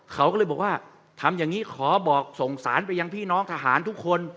เขาก็เลยบอกว่าทำอย่างนี้ขอบอกส่งสารไปยังพี่น้องทหารทุกคน